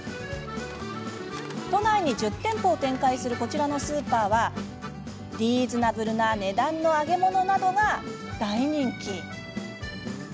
都内に１０店舗を展開するこちらのスーパーはリーズナブルな値段の揚げ物などが大人気。